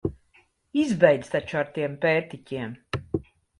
Izbeidz taču ar tiem pērtiķiem!